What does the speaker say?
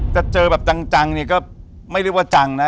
จะเจอแบบจังเนี่ยก็ไม่เรียกว่าจังนะ